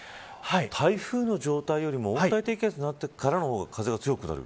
台風の状態よりも温帯低気圧になってからの方が風が強くなる。